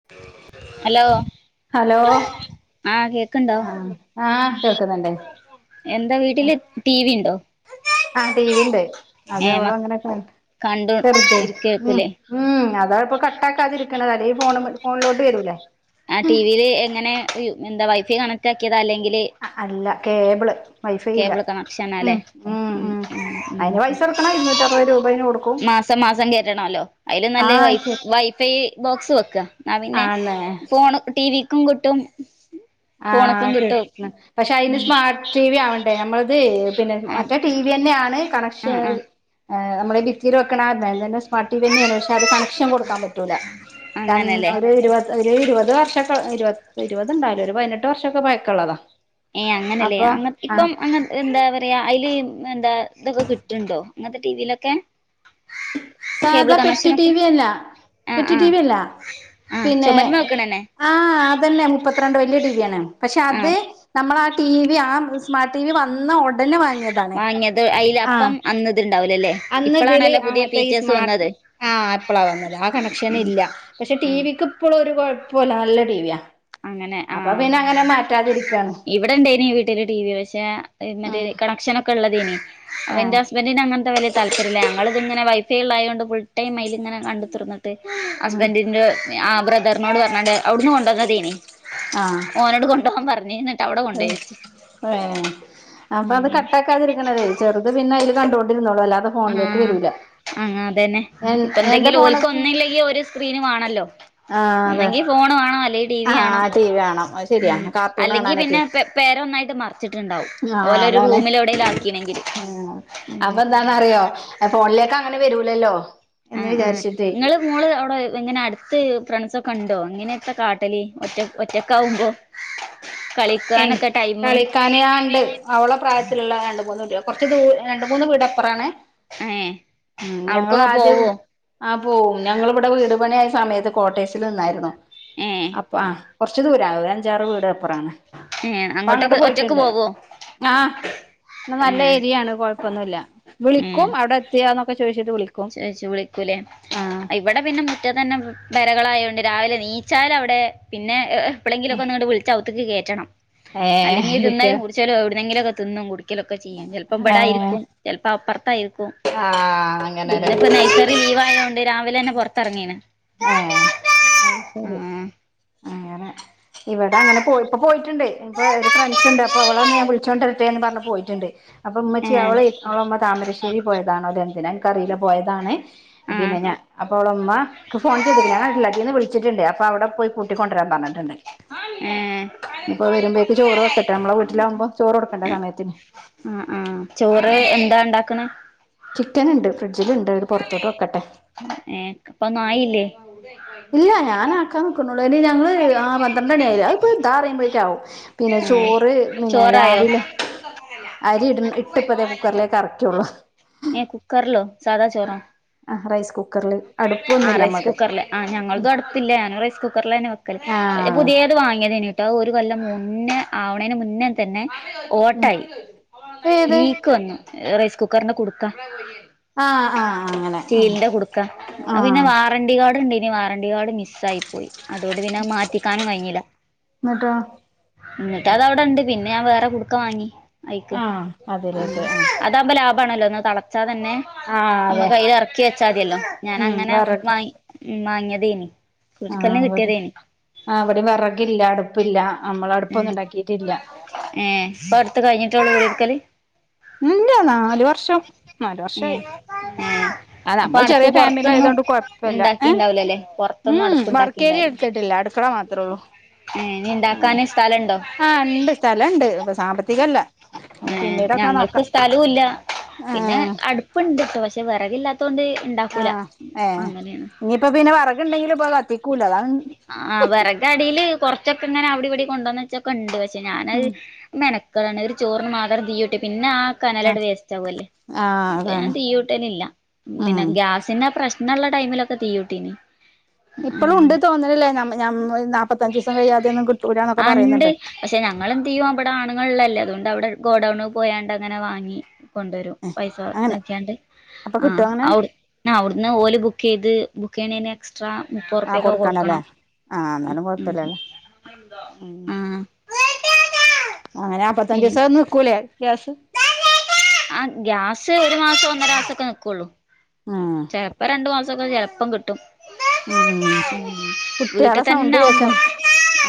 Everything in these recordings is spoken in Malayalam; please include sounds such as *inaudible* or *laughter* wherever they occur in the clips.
*inaudible* ഹലോ ഹലോ ആഹ് കേക്ക്ണ്ടോ ആ ആഹ് കേൾക്കുന്നുണ്ടേ എന്താ വീട്ടില് ടി വി ണ്ടോ ആഹ് ടി വി ഉണ്ട് അത് മ അവളങ്ങനെ കാണിക്കും കണ്ടു ചെറുതെ ഉം ഇരിക്കേക്കുലേ ഉം അതാണ്പ്പോ കട്ടാക്കാതിരിക്കണെ അല്ലേൽ ഫോണ് ഫോണിലോട്ട് വരൂല്ലേ ആഹ് ടി വിയിൽ എങ്ങനെ ന്താ വൈഫൈ കണക്റ്റാക്കിയതാ അല്ലെങ്കില് അ അല്ല കേബിള് വൈഫൈ ല്ല കേബിൾ ഉം കണക്ഷനാല്ലേ ഉം ഉം ഐന് പൈസ കൊട്ക്കണ ഇരുന്നൂറ്റ അറുപത് രൂപൈന് കൊടുക്കും ത്ത മാസം കേറ്റണോല്ലോ ഐലും നല്ല വൈ ആഹ് ശരി വൈഫൈ ബോക്സ് വെക്ക ന്നാ പിന്നെ ആണ് ഫോണ് ടി വീക്കും കിട്ടും ഫോണക്കും ആഹ് കിട്ടും കിട്ടണം പക്ഷെ ഐന് ഉം സ്മാർട്ട് ടി ബി ആവണ്ടേ നമ്മളത് പിന്നെ ആഹ് മറ്റേ ടി വി ന്നെയാണ് കണക്ഷൻ ആഹ് ആഹ് നമ്മളെ ഭിത്തില് വെക്കണന്നെ പാട്ടീവെന്നെണ് പക്ഷെ അത് കണക്ഷൻ കൊടുക്കാം പറ്റൂല രൺ അങ്ങനെല്ലേ രൂ ഇരുപ ഒരു ഇരുപത് വർഷോക്കെ ഇരുപത്ണ്ടാവൂല ഒരു പതിനെട്ട് ട്ടു വർഷൊക്കെ പയക്കള്ളതാ ഏഹ് അങ്ങനെല്ലേ അപ്പൊ അങ്ങ ആ ഇപ്പം അങ്ങ എന്താ പറയാ ഐല് ന്താ ഇതൊക്കെ കിട്ട്ണ്ടൊ ങ്ങനത്തെ ടിവിലൊക്കെ സാധാ പെട്ടി ടി വി ല്ല ആഹ് പെട്ടി ടി ആഹ് വി ല്ല ആഹ് പിന്നെ ചുമരുമ്മെ വെക്കണന്നെ ആഹ് അതന്നെ മുപ്പത്രണ്ട് വലിയ ടി വിയാണ് പക്ഷെ അത് ആഹ് നമ്മളാ ടി വി ആ സ്മാർട്ട് ടി വി വന്നോടനെ വാങ്ങി വാങ്ങിയത് ഐല് അപ്പം അന്നിത്ണ്ടാവൂല ല്ലേ അന്ന് ഇതില് ഇപ്പളാണല്ലോ ആ പുതിയ മറ്റേ ഈ ഫീച്ചേഴസ് ആ ഇപ്പളാ വന്നത് ആ കണക്ഷൻ ഉം ഇല്ല പക്ഷെ ടി ആഹ് വിക്ക് ഇപ്പോളും രു കുഴപ്പോല്ല നല്ല ടീവിയ അപ്പൊ പിന്നെ അങ്ങനെ മാറ്റാതിരി ഇവിടെണ്ടേനി വീട്ടില് ടി വി പക്ഷെ മറ്റേ ഉം കണക്ഷനോക്കെള്ളതേനി ഏ അവന്റസ് ന്റിന് അങ്ങനത്തെ വല്ല്യ താല്പര്യല്ല ഞങ്ങളിതിങ്ങനെൈ വൈഫൈ ഉള്ളതായതുകൊണ്ട് ഫുൾ ടൈമയില്ങ്ങനെ കണ്ടത്രിന്നിട്ട് ഉം ഹസ്ബൻഡിന്റെ ആ ബ്രദറിനോട് പറഞ്ഞണ്ട് അവിടുന്ന് കൊണ്ടോന്ന തീനി ആഹ് ഓനോട് കൊണ്ടൊവാാൻ പറഞ്ഞിന്ന് ഏ അപ്പൊ ത് ഉം കട്ടാക്കാതിരിക്കണതേ ചെറുത് പിന്നൈല് കണ്ടൊണ്ടിരുന്നോളും അല്ലാതെ ഉം ഫോണിലേക്ക് വരൂല അ അതന്നെ എ എന്റെ പ്പന്തെങ്കിലും ഓൽക്ക് ഫോണൊക്കെ ഒന്നുല്ലെങ്കിൽ ഒരു സ്ക്രീന് വാണല്ലോ ആ അതെ ഒന്നെങ്കി ഫോണ് വാണം അല്ലെങ്കിൽ ടി ആ വി വണോം ടി വി കാണാം അത് ശരിയാ ഉം കാർട്ടൂൺ അല്ലെങ്കി കാണാനൊക്കെ പിന്നെ പേരെന്നായിട്ട് മറിച്ചിട്ടുണ്ടാവും ആ ഓലെരു അതാണ് റൂമിൽ എവിടേലും ആക്കിണെങ്കിൽ ആഹ് അപ്പൊന്താന്ന റിയോ ഫോണിലേക്ക് ങ്ങനെ വരൂലല്ലോ എന്ന് ആഹ് ആഹ് വിചാരിച്ചിട്ടേയ് ഇങ്ങള് മോള് അവിടെ ങ്ങനെ അടുത്ത് ഫ്രണ്ട്സൊക്കെണ്ടോ ങ്ങനെയൊക്കെ കാട്ടലി ഒറ്റ ഒറ്റക്കാകുമ്പോ ഏയ് കളിക്കന് ആ ണ്ട് അവള പ്രായത്തിലുള്ള രണ്ട മൂന്ന് കുറച്ച് ദൂ രണ്ട മൂന്ന് വീടപുറാണെ ഏഹ് ആഹ് അവിടക്കൊക്കെ ഞങ്ങദ്യം പോവോ ആ പോവും ഞങ്ങളിവിടെ വീട് പണിയ ആയ സമയത്ത് കോട്ടേഴ്സ് നിന്നായിരുന്നു ഏ അപ്പ ആ കുറച്ച് ദൂരം ആണ് ഒരു അഞ്ചാറ് വീട് അപ്പുറാണ് ഏ അപ്പൊ അങ്ങോട്ട് പോയിട്ടുണ്ട് ആഹ് നല്ല ഏഹ് ഏരിയയാണ് കൊഴപ്പൊന്നുല്യ വിളിക്കും അവിടെ എത്തിയാന്നൊക്കെ ചോദിച്ചിട്ട് വിളിക്കും ച ചു വിളിക്കൂല ആഹ് അ ഇവിടെ പിന്നെ മുറ്റത്ത് തന്നെ വരകളായൊണ്ട് രാവിലെ നീച്ചാൽ അവിടെ പിന്നെ എപ്പോളെങ്കിലും ഒക്കെ നിങ്ങട്ട വിളിച്ച അകത്തേക്ക് കേയറ്റണം ഏഹ് അല്ലെങ്കിൽ കിട്ടിയ തിന്നാലും കുടിച്ചാലും എവിടെെങ്കിലൊക്ക തിന്നും കുടിക്കും ഒരിക്കലൊക്കെ ചെയ്യും ചിലപ്പോ ബെടായിരിക്കും ചിലപ്പ അപ്പുറത്തായിരിക്കും ആഹ ഇന്നിപ്പ നൈസറി ലീവ് ആയതോണ്ട് രാവിലെ തന്നെ പുറത്തിറങ്ങീണ് ആഹ അയ് ശരി ആങ്ങനെ ഇവിടെ അങ്ങനെ പോയി ഇപ്പൊ പോയിട്ടുണ്ട് ഇപ്പൊ ഒരു ഫ്രണ്ട്സ് ഉണ്ട് അപ്പൊ അവളന്ന് ഞാൻ വിളിച്ചോണ്ടരട്ടെന്ന് പറഞ്ഞ് പോയിട്ടുണ്ട് അപ്പൊ ഏ ഉമ്മച്ചി അവളെ അവള ഉമ്മ താമരശ്ശേരി പോയതാണോ എന്തിന കറിയി ലപോയതാണ് ആ പിന്നെ ഞാൻ അപ്പോൾ അവളഉമ്മ ഫോൺ ചെയ്തക്കണ് ഞൻ അട്ടല്ലക്കീന്ന് വിളിച്ചിട്ടുണ്ട് അപ്പൊ അവിടെ പോയി കൂട്ടി കൊണ്ടുവരാൻ പറഞ്ഞിട്ടുണ്ട് ഏ അപ്പൊ വരുമ്പോഴേക്ക് ചോറ് വെക്കട്ടെ നമ്മള വീട്ടിലാവുമ്പോ ചോറ് കൊടുക്കണ്ട സമയത്തിന് ആ ആ ചോറ് എന്താ ഉണ്ടാക്കണ് ചിക്കൻ ഉണ്ട് ഫ്രിഡ്ജിലുണ്ട് പുറത്തോട്ട് വേക്കട്ടെ ഏ അപ്പ ഒന്നും ആയില്ലേ ഇല്ല ഞാനൻ ആക്കാൻ നിക്കക്കുന്നുള്ളൂ ഇനി ഞങ്ങള് ആ പന്ത്രണ്ട മണിയ ആയിലെ അത്പ്പോ ഇതാ അറിയുമ്പോഴേക്ക ആകും പിന്നെ ഏ ചോറ് പിന്നെ ചോറായോ രാവിലെ അരി ഇട ഇട്ടപ്പതേ കുക്കറിലേക്ക് അറക്കുള്ളൂ ഏ കുക്കറ ലോ സാദാ ചോറ ആ റൈസ് കുക്കറില് ആ അടുപ്പൊന്നുമില്ല റൈസ് നമ്മക്ക് കുക്കറില് ആ ഉം ഞങ്ങൾക്കും തടുപ്പല്ല ഞാനും റൈസ് കുക്കറില് തന്നെ വെക്കല് ആഹ് പുതിയ ത് വാങ്ങിയത്ട്ടോ ഒരു കൊല്ലം മുന്നേ ആവണേന് മുന്നേ തന്നെ ഉം ഓട്ടായി ഏത് ലീക്ക് വന്നു റൈസ് കുക്കറ്ന്റ കുടുക്ക ആ ആ അങ്ങനെ ആ അ പിന്നെ വാറണ്ടറി കാർഡ് ഇണ്ട് ഇനി വാറണ്ടറി കാർഡ് മിസ്സായി പോയി അതുകൊണ്ട് പിന്നെ മാറ്റിക്കാനും കഴിഞ്ഞില്ല എന്നിട്ടോ എന്നിട്ട് അതവിടെ ഇണ്ട് പിന്നെ ഞാൻ വേറെ കുടുക്ക വാങ്ങി അയ്ക്ക് ആഹ് അതിലേക്ക് ആഹ് താമ്പോ ലാഭാണല്ലോ ഒന്ന് തെളച്ചാൽ തന്നെ ആഹ് അതെ നമ്മക്ക് അയ്ല് യറക്കി വെച്ചാ മതിയല്ലോ ഞ ഉം വിറക് ഉ മാങ്ങിയതേനി ആഹ അവിടെ ആ അവിടെയും വെറകില്ല അടുപ്പില്ല നമ്മള അടുപ്പൊന്നും ഇണ്ടാക്കിട്ടില്ല ഏ പടുത്ത് കഴിഞ്ഞിട്ടള്ളൂ *unintelligible* എടുക്കല് ഇല്ല നാല് വർഷം നാല് വർഷായി ഏഹ് ഏഹ് ആ അപ്പൊ നമ്മൾ അടുപ്പ് ചെറിയ ഫാമിലി ആയതു പൊറത്തൊന്നും കൊണ്ട് കൊയപ്പില്ല ഇണ്ടാക്കിണ്ടാവൂലല്ലേ പൊറത്തൊന്നും ഉം അടുപ്പ് വർക്കേരിയ എടുത്തിട്ടില്ല അടുക്കള മാത്രം ത്രള്ളൂ ഏ ഇണ്ടാക്കാന് സ്ഥലുണ്ടോ സ്ഥലം ഇണ്ട് ഇപ്പൊ സാമ്പത്തികല്ല പിന്നീടൊക്കെ നോക്ക സ്ഥലവുല്ല പിന്നെ അടുപ്പുണ്ട് ഇട്ടോ പക്ഷെ വിറകില്ലാത്തൊണ്ട് ഇണ്ടാക്കൂല അങ്ങനെയാണ് ഇപ്പൊ പിന്നെ വെറഗ്ണ്ടെങ്കില് ഇപ്പോ കത്തിക്കൂല അത ആ വെറക് അടീല് കൊറച്ചൊക്കെ ഇങ്ങനെ അവിടി ഇവിടി കൊണ്ടുവന്നച്ചൊക്കെ ഉണ്ട് പക്ഷെ ഞാനത് ഉം മെന *unintelligible* ചോറിന് മാത്രം തീയുട്ട് പിന്നെ ആ കനലട ആഹ് വേസ്റ്റ് ആകല്ലേ ആഹ് അപ്പൊ ഞാൻ അതാണ് തീ കൂട്ടലില്ല പിന്നെ ഉം ഗ്യാ പിന്നെ പ്രശ്നള്ള ടൈമിലൊക്കെ തീ കൂട്ടീനി ഇപ്പളു ഉണ്ട് തോന്ന്ണ്ല്ലേ ഞമ്മെ ഞമ്മയ് നാപ്പത്തഞ്ചീസം കയ്യാതൊന്നും കിട്ട് ആ ണ്ട് പക്ഷെ ഞങ്ങളെന്തെയ്യു ഇവ്ടെ ആണുങ്ങള് ള്ളല്ലേ അതുകൊണ്ടവിടെ ഗോഡൗണ് പോയാണ്ടങ്ങനെ വാങ്ങി കൊണ്ടരും പൈസ അങ്ങനെ ഇതാക്കിയാണ്ട് അപ്പൊ കിട്ടോ ആഹ് അങ്ങനെ ഔട് ആഹ് അവുടുന്ന് ഓല് ബുക്കെയ്ത് ബുക് ക്കെയ്ണേന് എക്സ്ട്രാ മുപ്പത് റുപ്പ്യക്കെ കൊടു അല്ലേ ആ അന്നാലും കൊഴപ്പല്ല്യാല്ലേ ഉം ആ അങ്ങനെ നാപ്പത്തഞ്ചീസം നിക്കൂലേ ഗ്യാസ് ആഹ് ഗ്യാസ് ഒരു മാസം ഒന്നര മാസൊക്കെ നിക്കു ഒള്ളൂ ഉം ചെലപ്പ രണ്ട് മാസൊക്കെ ചെലപ്പം കിട്ടും ഉം കുട്ടികളെ വീട്ടിത്തന്നാവുമ്പോ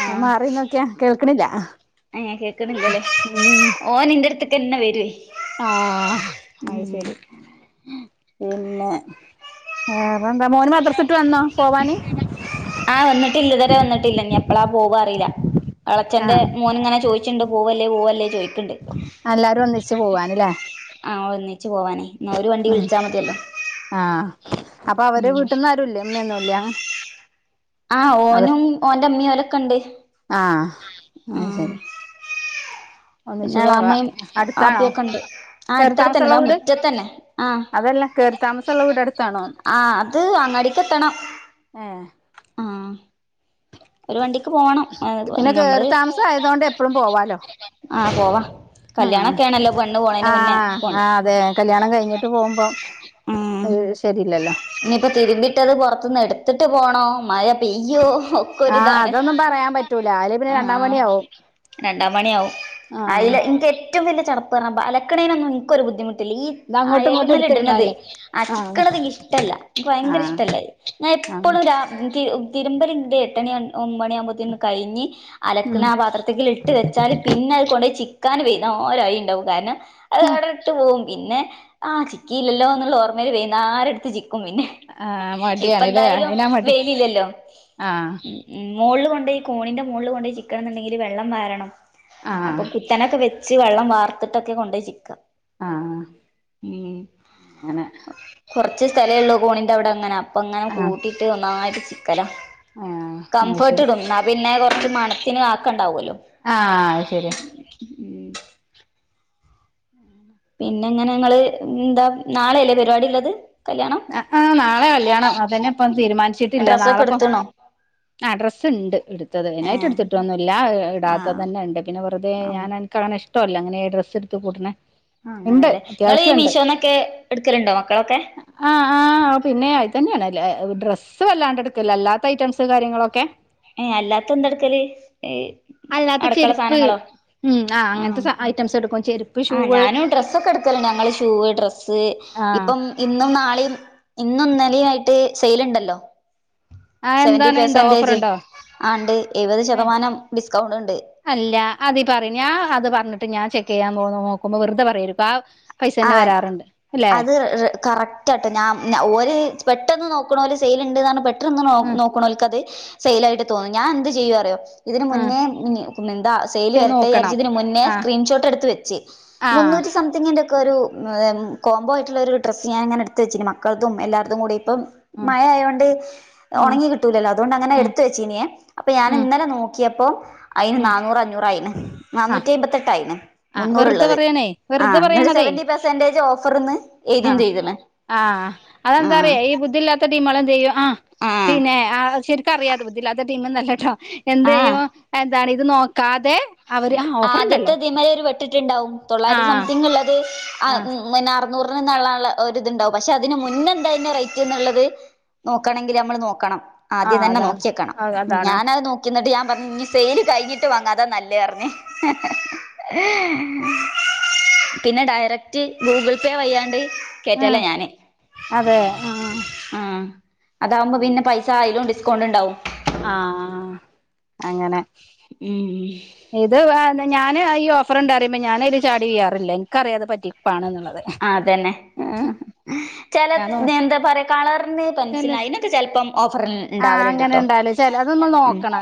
ആഹ് ല്ല്യ കേൾക്ക്ണില്ല്യ അഹ് ഏഹ് കേക്ക്ണില്ലേ ഓനിന്റെട്ത്ത്ക്കന്നെ വരുവേ ആഹ് അയ് ഉം ശരി പിന്നെ വേറെന്താ മോന് മദ്രസ വിട്ട് വന്നോ പോവാന് ആഹ് വന്നിട്ടില്ലിതുവരെ വന്നിട്ടില്ല ഇന്നിയെപ്പളാ പോവ്വാ അറിയില്ല എളച്ചന്റെ ആഹ് മോനിങ്ങനെ ചോയിച് ണ്ട് പോവല്ലേ പോവല്ലേ ചോയിക്ക് ആഹ് എല്ലാരും ഒന്നിച്ച് പോവാന്ല്ലേ ആഹ് ഒന്നിച്ച് പോവാനേ എന്നാ ഒരു വണ്ടി ഉം വിളിച്ചാ മതിയല്ലോ ആഹ് അപ്പൊ അവര ഉം വീട്ടിന്നാരുല്ലേ ഉമ്മയൊന്നുല്ല്യാ ആഹ് ഓനും ഓന്റമ്മീയോലൊക്കണ്ട് ആഹ് അത് ആഹ് ശരി ഒന്നിച്ചു പോകാ പിന്നെളാമ്മയും അടുത്താണോ ആപ്പയൊക്കണ്ട് ആഹ് കേറി അടുത്തടുത്തന്നെ താമസമുള്ള ദാ വീട് മുറ്റത്തന്നെ ആഹ് അതല്ല കേറി താമസമുള്ള വീട് അടുത്താണോ ആഹ് അത് അങ്ങാടിക്കെത്തണം ഏഹ് ആഹ് ഒരു വണ്ടിക്ക് പോണം അത് പോ പിന്നെ നമ്മള് കേറി താമസം ആയതോണ്ട് എപ്പഴും പോവാലോ ആഹ് പോവാ കല്യാണൊക്കെ ആണല്ലോ പെണ്ണ് ആഹ് പോണേന് മുന്നേ ആഹ് പോണ്ടേ അതെ കല്യാണം കഴിഞ്ഞിട്ട് പോവുമ്പോ അത് ശരീല്ലല്ലോ ഇനിയിപ്പ തിരുമ്പിയിട്ടത് പൊറത്തുന്നെട്ത്തിട്ട് പോണോ മഴ പെയ്യോ? ആഹ് ക്കൊരിതാണ് അതൊന്നും പറയാൻ പറ്റൂല അല്ലെ പിന്നെ രണ്ടാം ആഹ് പണിയാവും രണ്ടാം പണിയാവും ആഹ് അയില് ഇനിക്കെറ്റ് ഏറ്റവും വല്ല്യ ചടപ്പറഞ്ഞാ അബ്ബ അലക്ക്ണേനൊന്നും ഇൻക്കൊരു ബുദ്ധിമുട്ടില്ലീ ഇത് അങ്ങോട്ടും ഇങ്ങോട്ടും അയലിമ്മലിട്ണത് എടുത്തിടണല്ലേ ആഹ് ചിക്ക്ണതെനിക്കിഷ്ടല്ല ഇനിക്ക് ഭയങ്കര ആഹ് ഇഷ്ടല്ല അയ് ഞാൻ ആഹ് എപ്പളും രാ ൻക്ക് തിരുമ്പലിണ്ട് എട്ടണി ഒൻ ഒമ്പണിയാകുമ്പോത്തിന് കഴിഞ്ഞി അലക്ക്ണ ഉം ആഹ് പാത്രത്തിക്കി ട്ട് വെച്ചാല് പിന്നഅ് കൊണ്ടോയി ചിക്കാന് വെയ് ദാ ഓരോ അഴയിണ്ടാവും കാരണം അതവടെ ഇട്ട് പോവും പിന്നെ ആഹ് ചിക്കിയില്ലല്ലോന്ന്ള്ളോർമ്മേല് വൈന്നാരെടുത്ത് ചിക്കും പിന്നെ ആഹ് ഇപ്പ മടിയാണ്ല്ലേ എന്തായാലും അയിനാ മടി ആഹ് ഉം മോള്ള് കൊണ്ടോയി കോണിന്റെ മോള്ള് കൊണ്ടോയി ചിക്കണംന്ന്ണ്ടെങ്കില് വെള്ളം വാരണം ആഹ് അപ്പൊ കു തെനൊക്കെ വെച്ച് വെള്ളം വാർത്ത്ട്ടൊക്കെ കൊണ്ടോയി ചിക്കാം ആഹ് ഉം ങ്ങനെ കൊറച്ച് സ്ഥലേ ഇള്ളൂ കോണിന്റവടെ അങ്ങനെ അപ്പോങ്ങനെ കൂട്ടിയിട്ട് ഒന്നായിട്ട് ചിക്കലാ എഹ് കംഫർട്ടിടും എന്നാ പിന്നെ കൊറച്ച് മണത്തിന് ആക്കണ്ടാവു അല്ലോ ആഹ് ശരിയാ പിന്നെങ്ങനെ ഇങ്ങള് എന്താ നാളെയല്ലേ പെരുപാടിള്ളത് അ ആഹ് നാളെ കല്ല്യാണം അതന്നെ ഇപ്പം തീരുമാനിച്ചിട്ടില്ല ഡ്രസ്സൊക്കെ നാളെപ്പം എടുത്തണോ ആഹ് ഡ്രസ്സ്ണ്ട് എടുത്തത് ഏ ഇതിനായിട്ട് എടുത്തിട്ട് ഒന്നുമില്ല ആ ഇടാത്തത് തന്നെ ഉണ്ട് പിന്നെ വെറുതെ ആ ഞാനാ കളയണാ ഇഷ്ടോ അല്ല അങ്ങനെ ഡ്രസ്സ് എടുത്ത് കൂട്ടുണെ ആ അങ്ങനല്ലെ നിങ്ങളീ മീഷോന്നൊക്കെ എടുക്കലുണ്ടോ മക്കളൊക്കെ ആഹ് ആഹ് ആ പിന്നെ അയിതന്നെയാണ് ഡ്രസ്സ് വല്ലാണ്ട് എടുക്കല്ല അല്ലാത്ത ഐറ്റംസ് കാര്യങ്ങളൊക്കെ ഏ അല്ലാത്ത എന്തെടുക്കല് ഈ അല്ലാത്ത ചെരുപ്പ് ഉം ആ ആഹ് അങ്ങനത്തെ ഐറ്റംസ് എടുക്കും ചെരുപ്പ് ആഹ് ഷൂവ് ഞാനും ഡ്രസ്സൊക്കെ എടുക്കലുണ്ട് ഞങ്ങള് ഷൂ ഡ്രെസ്സ് ആ ഇപ്പം ഇന്നും നാളെയും ഇന്നു ഇന്നലെയായി സെൽ ഉണ്ടല്ലോ ആ സെവേന്റി എന്താണ് ഉണ്ടോ ഓഫർ പെസന്റേജേ ഉണ്ടോ ആഹ് ണ്ട് എഴുപത് ഏ ശതമാനം ഡിസ്കൗണ്ട് ഇണ്ട് അല്ല അതീ പറഞ്ഞാൻ അത് പറഞ്ഞിട്ട് ഞാൻ ചെക്ക് ചെയ്യാൻ പോന്ന് നോക്കുമ്പോ വെറുതെ പറയിരിക്ക ആഹ് ആഹ് അത് കറക് റ്റെട്ടോ ഞാൻ ഓര് പെട്ടെന്ന് നോക്കണോല് സെയിലിണ്ട്ന്നാണ് പെട്ടെന്ന് ന്ന് ആ നോക്കണോല്ക്കത് സെയ്ലായിട്ട് തോന്നും ഞാനെന്ത് ചെയ്യു അറിയോ ഇതിന് ആ മുന്നേ എന്താ മിനി കു എന്താ സെയില് ചെയ്ത് വരട്ടെ നോക്കണം വിചാരിച്ച് ഇതിന് മുന്നേ ആ സ്ക്രീൻഷോട്ട് എടുത്ത് വെച്ച് ആഹ് മുന്നൂറ്റി സം തിങ്ങന്റെ ഒക്കെ ഒരു കോമ്പോ ആയിട്ടുള്ള ഒരു ഡ്രസ്സ് ഞാനിങ്ങനെ എടുത്ത് വെച്ചിന് മക്കൾതും എല്ലാടത്തും കൂടി ഇപ്പം ഉം മഴ ആയൊണ്ട് ഉം ഉണങ്ങി കി ത്തുലല്ലോ അതുകൊണ്ട് അങ്ങനെ ഉം എടുത്ത് വെച്ചീനിയെ അപ്പൊ ഞാൻ ഉം ഇന്നലെ നോക്കിയപ്പോ അയിന് ഉം നന്നൂറ് അഞ്ഞൂറായിന് ആഹ് നന്നൂറ്റി അൻപത്തെട്ടായിണ് ആഹ് വെറുതെ പറയണേ വെറുതെ പറയാണ അതെ സെവന്റി പെർസെന്റേജ് ഓഫർന്ന് എഴുതിം ആഹ് ചെയ്ത്ണ് ആഹ് അതെന്താ ആഹ് പറയേ ഈ ബുദ്ധിയില്ലാത്ത *unintelligible* ടീമുകളെന്തെയ്യും ആഹ് ആഹ് പിന്നെ ആ ശരിക്കറിയാതെ ബുദ്ധില്ലാത്ത ടീമൊന്നും അല്ലേട്ടോ ആഹ് എന്തെയ്യും എന്താണ് ഇത് നോക്കാതെ അവര് ആഹ് ആദ്യത്തെ ഓഫറുണ്ടല്ലോ തിമര് ഒരു വെട്ടിട്ടുണ്ടാവും തൊള്ളായിരത്തി ആഹ് സംതിങ്ങുള്ളത് ആഹ് ഉം മുന്ന് അറുന്നൂറിന്ന്ള്ള ള്ള ഒര് ഇതുണ്ടാവും. പക്ഷെ അതിന് മുന്നെ എന്തായിന്ന് റേറ്റ് എന്നുള്ളത് നോക്കണെങ്കില് നമ്മള് നോക്കണം. ആദ്യം ആഹ് തന്നെ അതാണ് നോക്കിയെക്കണം. ആഹ് അതാണ് ഞാനത് നോ ക്കി ഇന്നട്ട് ഞാൻ പറഞ്ഞ് ഇഞ്ഞ് സെയില് കഴിഞ്ഞിട്ട് വാങ്ങാ അതാ നൽ ലേ പർഞ്ഞ്. പിന്നെ ഡയറക്റ്റ് ഗൂഗിൾ പേ വയ് യാണ്ട് ഉം കേറ്റലാ ഞാന്. അതെ ആഹ് ആഹ് അതാവുമ്പം അങ്ങനെ പിന്നെ പൈസ അയിലും ഡിസ്കൗണ്ട് ണ്ടാവും. ആഹ് അങ്ങനെ. ഉം ഇത് അ എന്താ ഞാന് ഈ ഓഫർ ഉണ്ട് അറിമ്പം ഞാനയില് ചാടി വീയാറില്ല ഇനക്കറിയാ അത് പറ്റിപ്പാണ് ന്നുള്ളത്. ആഹ് അതന്നെ. ചെലത് ഞാനോ എന്താ പറയാ കളറിന് പെൻസിൽന് അയിന് റ്റ് ചെലപ്പം ഓഫറിന് ആഹ് അങ്ങനെ ഇണ്ടാവലുണ്ട്ട്ടോ. ഇണ്ടാവല് ചെല അത് നമ്മൾ ഉം നോക്കണം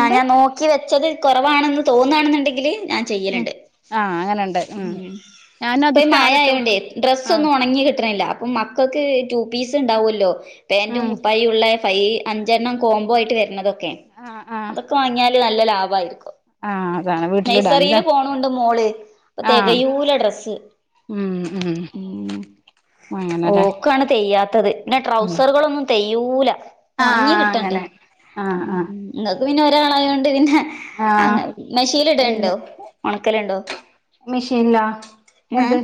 ആഹ് ഞാൻ നോക്കി വെച്ചത് കൊറവാണ് ന്ന് തോന്നാണ് ന്നുണ്ടെങ്കില് ഞാൻ ഉം ചെയ്യലുണ്ട്. ആഹ് അങ്ങനെണ്ട്. ഉം ഞാനത് സ്റ്റാറിട്ട് വെ ട്ടേ ഡ്രസ് ഒന്നും ഒണങ്ങി കിട്ട്ണില്ല. അപ്പം മക്കൾക്ക് ടു പീസ് ഉണ്ടാവല്ലോ. പേന്റും ഉം കുപ്പായൂള്ളെ ഫൈ അഞ്ചെണ്ണം കോംബോ ആയിട്ട് വര്നതൊക്കെ ആഹ് ആഹ് അതൊക്കെ വാങ്ങിയാൽ ല് നല്ല ലാഭായിരിക്കും. ആഹ് അതാണ് വീട്ടിലിടാൻല്ലേ നെയ്സറീല് പോണൂണ്ട് മോള് അപ്പൊ ആഹ് തെകയൂല ഡ്രസ്സ്. ഉം ഉം അങ്ങനെല്ലേ ഓക്കാണ് തെയ്യാത്തത് പിന്നെ ഉം ട്രൗസറുകളൊന്നും തെയ്യൂല. ഒണങ്ങി ആഹ് കിട്ടണ്ടേ. അങ്ങനെ ആഹ് ആഹ് ഇങ്ങക്ക് പിന്നെ ഒരാളായോണ്ട് പിന്നെ ആഹ് അങ്ങ് മെഷീല് ഇട്ണ്ടോ, ഒണക്കലുണ്ടോ? മെഷീൻല്ലാ. എന്ത്? ഏഹ്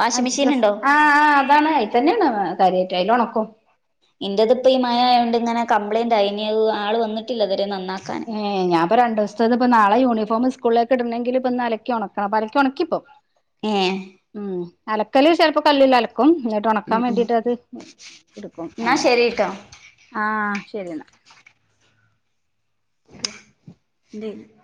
വാഷിംഗ് അഹ് മെഷീൻ ഡ്രസ്സ് ഉണ്ടോ ആഹ് അതാണ് അയ്തന്നേണ് കാര്യായ്റ്റ് അയ്ലൊണക്കും. ഇന്റെത് ഇപ്പ ഈ മഴയായോണ്ട് ഇങ്ങെനെ കംപ്ലയിന്റ് ആയിനി ആൾ വന്നിട്ടില്ലതുവരെ നന്നാ ഏഹ് ഞാൻപ്പോ രണ്ട് ദൂവ്സ്ത്തത് ഇപ്പ നാളെ യൂണഫോം സ്കൂളിലേക്ക് ഇടണെങ്കില് ഇപ്പ ഇന്ന് അലക്കി ഒണക്കണം, അപ്പ അലക്കി ഉണക്കിപ്പം. *unintelligible* ഏഹ് ഉം അലക്കല് ചെലപ്പ കല്ലിൽ അലക്കും. ഇന്ന ട്ടൊണക്കാൻ ഉം ഉം വേണ്ടിയിട്ട് അത് ഇട്ക്കും എന്നാ അങ്ങനെ, ശരിട്ടോ ആഹ് ശരി എന്നാ *unintelligible*